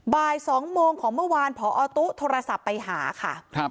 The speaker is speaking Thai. บ่าย๒โมงของเมื่อวานพอตุ๊โทรศัพท์ไปหาค่ะ